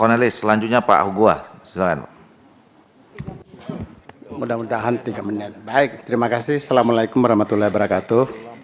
assalamu alaikum warahmatullahi wabarakatuh